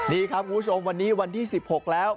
นี่ครับคุณผู้ชมวันนี้วันที่๑๖แล้ว